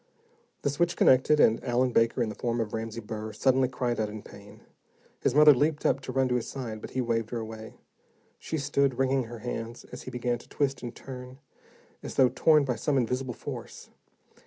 The switch connected, and Allen Baker, in the form of Ramsey Burr, suddenly cried out in pain. His mother leaped up to run to his side, but he waved her away. She stood, wringing her hands, as he began to twist and turn, as though torn by some invisible force.